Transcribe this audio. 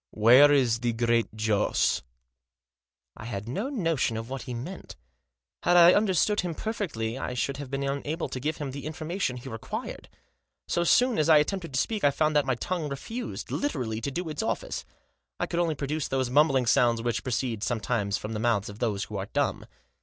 " Where is the Great Joss ?" I had no notion what he meant. Had I under stood him perfectly I should have been unable to give him the information he required. So soon as I attempted to speak I found that my tongue refused, literally, to do its office. I could only produce those mumbling sounds which proceed, sometimes, from the mouths of those who are dumb.